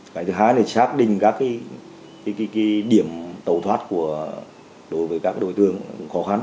cái thứ hai là xác định các điểm tẩu thoát đối với các đội thương khó khăn